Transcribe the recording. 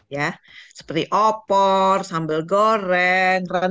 ya seperti opor sambal goreng rendang ya berasal dari protein